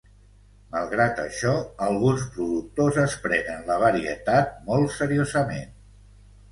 Malgrat això, alguns productors es prenen la varietat molt seriosament.